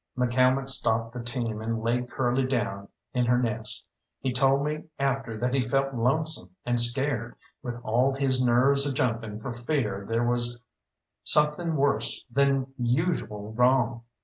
McCalmont stopped the team and laid Curly down in her nest. He told me after that he felt lonesome and scared, with all his nerves a jumping for fear there was something worse than usual wrong.